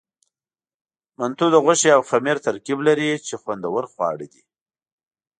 منتو د غوښې او خمیر ترکیب لري، چې خوندور خواړه دي.